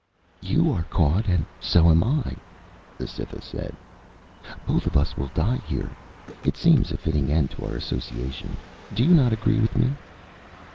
"You are caught and so am I," the Cytha said. "Both of us will die here. It seems a fitting end to our association. Do you not agree with me?"